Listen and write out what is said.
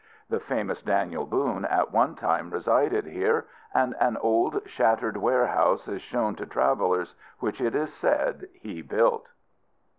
The famous Daniel Boone at one time resided here; and an old shattered warehouse is shown to travelers, which, it is said, he built.